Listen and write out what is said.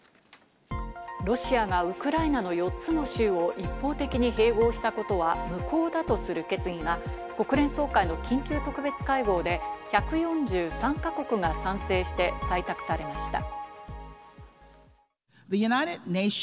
ロシアがウクライナの４つの州を一方的に併合したことは無効だとする決議が国連総会の緊急特別会合で１４３か国が賛成して採択されました。